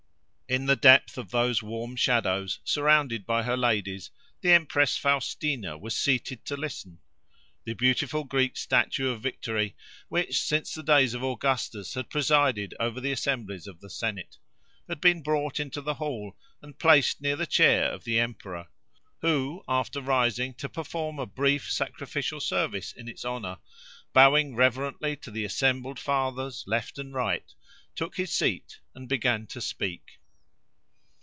In the depth of those warm shadows, surrounded by her ladies, the empress Faustina was seated to listen. The beautiful Greek statue of Victory, which since the days of Augustus had presided over the assemblies of the Senate, had been brought into the hall, and placed near the chair of the emperor; who, after rising to perform a brief sacrificial service in its honour, bowing reverently to the assembled fathers left and right, took his seat and began to speak.